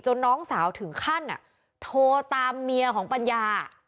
น้องสาวถึงขั้นโทรตามเมียของปัญญา